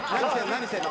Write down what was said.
何してんの？